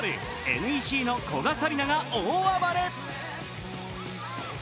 ＮＥＣの古賀紗理那が大暴れ。